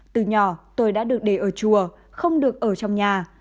từ nhỏ tôi đã được để ở chùa không được ở trong nhà